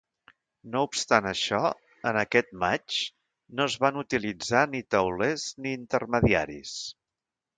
No obstant això, en aquest matx no es van utilitzar ni taulers ni intermediaris.